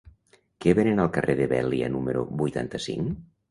Què venen al carrer de Vèlia número vuitanta-cinc?